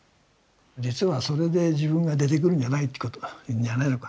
実はそれで自分が出てくるんじゃないってことじゃないのかな？